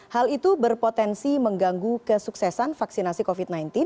hal itu berpotensi mengganggu kesuksesan vaksinasi covid sembilan belas